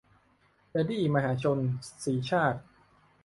เลดี้มหาชน - สีชาติ